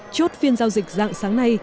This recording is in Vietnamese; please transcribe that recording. chốt phiên giao dịch dạng sáng nay